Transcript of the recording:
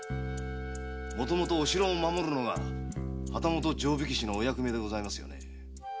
もともとお城を守るのが旗本定火消しのお役目ですよね。